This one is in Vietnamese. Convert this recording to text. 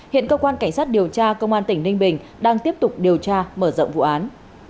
hiện cơ quan cảnh sát điều tra công an tỉnh ninh bình đang tiếp tục điều tra mở rộng vụ án